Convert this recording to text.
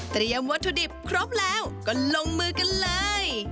วัตถุดิบครบแล้วก็ลงมือกันเลย